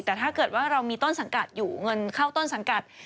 แต่ถ้าเกิดว่าเรามีต้นสังกัดอยู่เงินเข้าต้นสังกัด